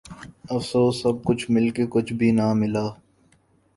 افسوس سب کچھ مل کے کچھ بھی ناں ملا